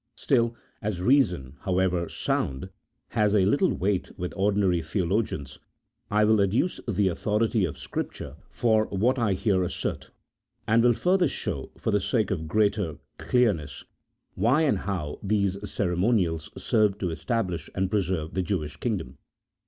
Still as reason, however sound, has little weight with ordinary theologians, I will adduce the authority of Scripture for what I here assert, and will further show, for the sake of greater clearness, why and how these ceremonials served to establish and preserve the Jewish kingdom.